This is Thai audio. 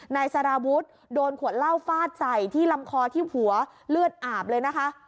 นายสารวุฒิโดนขวดเหล้าฟาดใส่ที่ลำคอที่หัวเลือดอาบเลยนะคะ